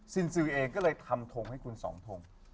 ซิลเองก็เลยทำทงให้คุณสองทง